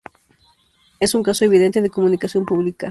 es un caso evidente de comunicación pública